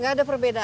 tidak ada perbedaan